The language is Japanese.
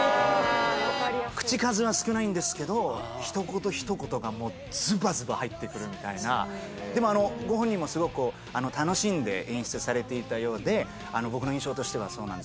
口かずは少ないんですけどひと言ひと言がもうズバズバ入ってくるみたいなご本人もすごく楽しんで演出されていたようで僕の印象としてはそうなんですけど